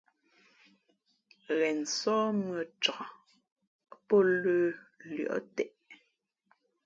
Ghen sóh mʉ̄ᾱ cak pǒ lə̌ lʉα teʼ.